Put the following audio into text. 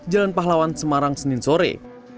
jalan pahlawan semarang senin sore